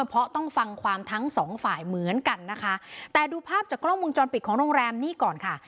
เพราะต้องฟังความทั้งสองฝ่ายเหมือนกันนะคะแต่ดูภาพจากกล้องมุมจรปิดของโรงแรมนี้ก่อนค่ะ